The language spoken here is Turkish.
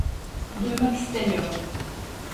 Duymak istemiyorum.